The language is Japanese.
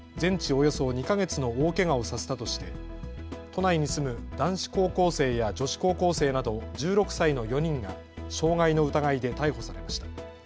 およそ２か月の大けがをさせたとして都内に住む男子高校生や女子高校生など１６歳の４人が傷害の疑いで逮捕されました。